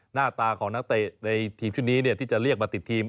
หน้าตาของนักเตะในทีมชุดนี้ที่จะเรียกมาติดทีม